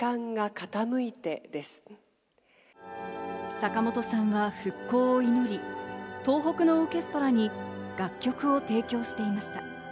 坂本さんは復興を祈り、東北のオーケストラに楽曲を提供していました。